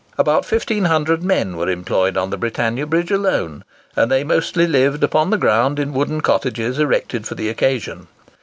About 1500 men were employed on the Britannia Bridge alone, and they mostly lived upon the ground in wooden cottages erected for the occasion.